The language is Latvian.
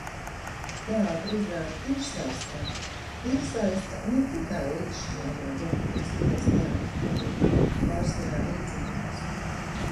Teātra izrāde tiešsaistē piesaista ne tikai līdzšinējo Ģertrūdes ielas teātra publiku, pārsvarā rīdziniekus.